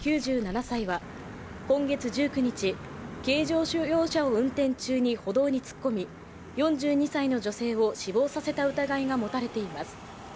９７歳は今月１９日軽乗用車を運転中に歩道に突っ込み４２歳の女性を死亡させた疑いが持たれています